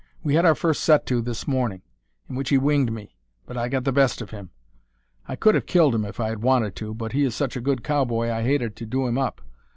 We had our first set to this morning, in which he winged me, but I got the best of him. I could have killed him if I had wanted to, but he is such a good cowboy I hated to do him up.